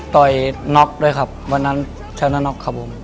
ต่อยน็อกด้วยครับวันนั้นชนะน็อกครับผม